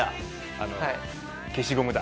あの消しゴムだ。